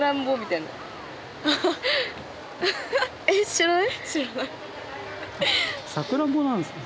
知らない。